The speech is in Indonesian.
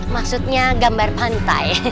maksudnya gambar pantai